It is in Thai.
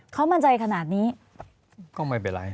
เขามั่นใจขนาดนี้ก็ไม่เป็นไร